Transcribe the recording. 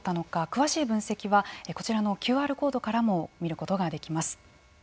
詳しい分析はこちらのＱＲコードからも見ることができます。